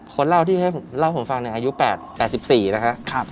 คนเล่าที่เล่าผมฟังในอายุ๘๔นะคะ